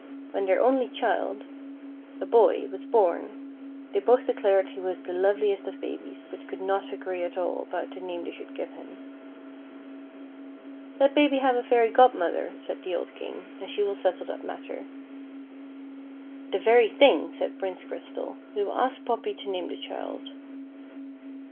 When their only ch.ild — 220 FEATHER HEAD. a bo\ — was born, they both declared he was the love liest of babies, but could not agree at all about the name the\' should give him, "Let Baby have a fairy godmother," said the old King, "and she will settle that matter." " The very thing," said Prince Crystal, " we will ask Poppy to name the child."